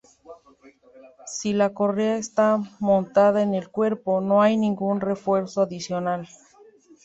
Si la correa está montada en el cuerpo, no hay ningún refuerzo adicional.